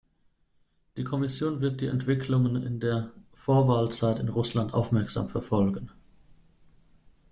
Die Kommission wird die Entwicklungen in der Vorwahlzeit in Russland aufmerksam verfolgen.